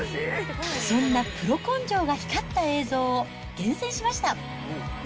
そんなプロ根性が光った映像を厳選しました。